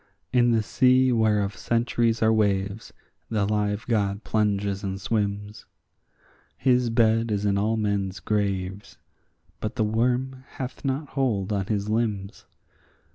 In the sea whereof centuries are waves the live God plunges and swims; His bed is in all men's graves, but the worm hath not hold on his limbs.